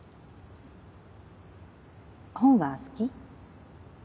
本は好き？